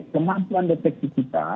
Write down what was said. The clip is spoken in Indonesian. kemampuan deteksi kita